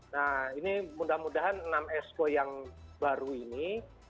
nah ini mudah mudahan enam expo yang baru ini